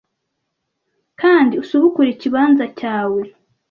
kandi usubukure ikibanza cyawe